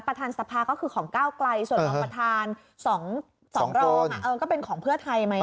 ประธานสภาก็คือของก้าวไกลส่วนรองประธาน๒รองก็เป็นของเพื่อไทยไหม